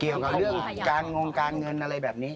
เกี่ยวกับเรื่องการงงการเงินอะไรแบบนี้